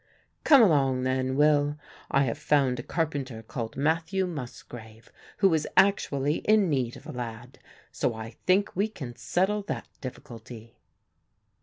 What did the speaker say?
"Come along then, Will. I have found a carpenter called Matthew Musgrave who is actually in need of a lad, so I think we can settle that difficulty."